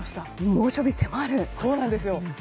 猛暑日に迫る暑さですね。